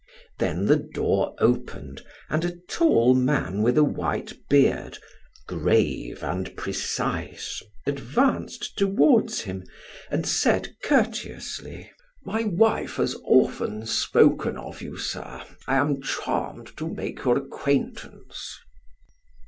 Then the door opened, and a tall man with a white beard, grave and precise, advanced toward him and said courteously: "My wife has often spoken of you, sir; I am charmed to make your acquaintance."